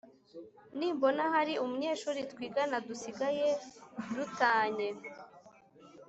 Nimbona hari umunyeshuri twigana dusigaye du tanye